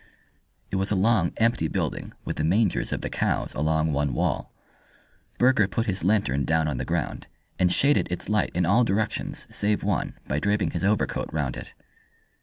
It was a long, empty building, with the mangers of the cows along one wall. Burger put his lantern down on the ground, and shaded its light in all directions save one by draping his overcoat round it.